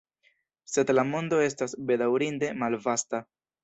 Sed la mondo estas, bedaŭrinde, malvasta.